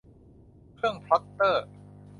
เครื่องพล็อตเตอร์